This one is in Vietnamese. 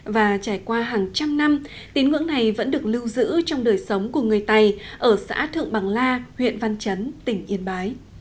và trải qua hàng trăm năm tín ngưỡng này vẫn được lưu giữ trong đời sống của người tày ở xã thượng bằng la huyện văn chấn tỉnh yên bái